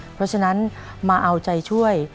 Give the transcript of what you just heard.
เพราะฉะนั้นมาเอาใจช่วย